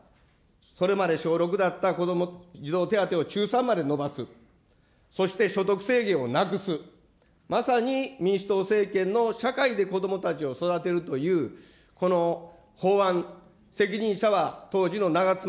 それまで小６だった子ども児童手当を中３まで延ばす、そして、所得制限をなくす、まさに民主党政権の社会で子どもたちを育てるという、この法案、責任者は当時の長妻昭